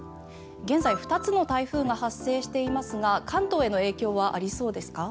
現在２つの台風が発生していますが関東への影響はありそうですか？